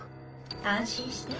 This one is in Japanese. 安心して。